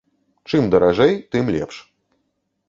Чым даражэй, тым лепш.